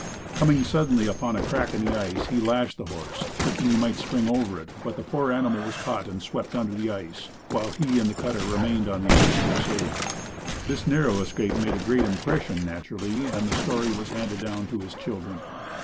Coming suddenly upon a crack in the ice, he lashed the horse, thinking he might spring over it, but the poor animal was caught and swept under the ice, while he and the cutter remained on the ice and were saved. This narrow escape made a great impression, naturally and the story was handed down to his children.